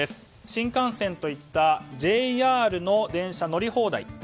新幹線といったＪＲの電車乗り放題。